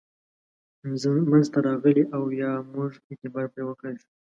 منځته راغلي او یا موږ اعتبار پرې وکړای شو.